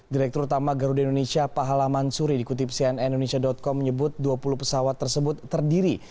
direktur utama garuda indonesia pak halaman suri dikutip cnn indonesia com menyebut dua puluh pesawat tersebut terdiri